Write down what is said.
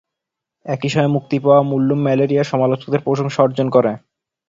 একই সময়ে মুক্তি পাওয়া মুল্লুম ম্যালেরিয়া সমালোচকদের প্রশংসা অর্জন করে।